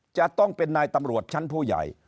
จะต้องเป็นนายตำรวจชั้นผู้ใหญ่